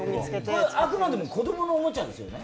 これはあくまでも子供のおもちゃですよね？